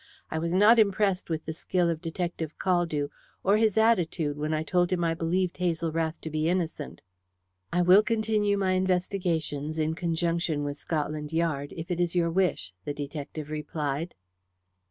I was not impressed with the skill of Detective Caldew, or his attitude when I told him that I believed Hazel Rath to be innocent." "I will continue my investigations in conjunction with Scotland Yard, if it is your wish," the detective replied.